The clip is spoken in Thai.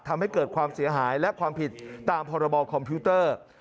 ทำให้เกิดความเสียหายและความผิดตามพรบคอมพิวเตอร์